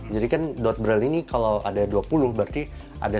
jadi kan dot braille ini kalau ada dua puluh berarti ada